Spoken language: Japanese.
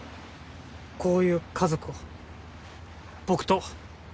こういう家族を僕と。